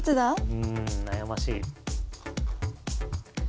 うん悩ましい。